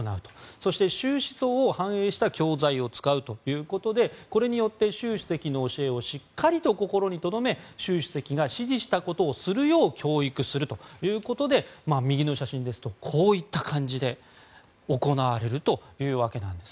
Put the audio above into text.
そして、習思想を反映した教材を使うということでこれによって習主席の教えをしっかりと心にとどめ習主席が指示したことをするよう教育するということで右の写真ですとこういった感じで行われるというわけです。